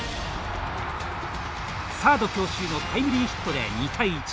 サード強襲のタイムリーヒットで２対１。